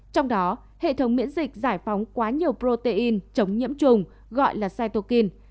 trong đó hệ thống miễn dịch giải phóng quá nhiều protein chống nhiễm chùng gọi là cytokine